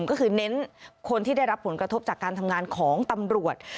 ก็คือเน้นคนที่ได้รับผลกระทบจากการทำงานของตำรวจ